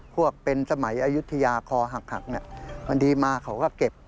พวกเป็นสมัยอายุทยาคอหักเนี่ยบางทีมาเขาก็เก็บ